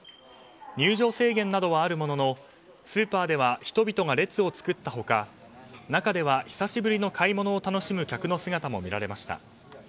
入場制限などはあるもののスーパーでは人々が列を作った他中では久しぶりの買い物を楽しむ客の姿も見られました。